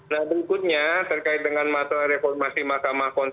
nah berikutnya terkait dengan masalah reformasi mahkamah konstitusi